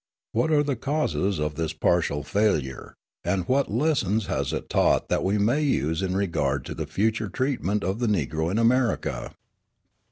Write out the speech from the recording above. What are the causes of this partial failure, and what lessons has it taught that we may use in regard to the future treatment of the Negro in America?